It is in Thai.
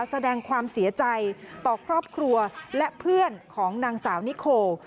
แสดงความเสียใจต่อครอบครัวและเพื่อนของนางสาวนิโค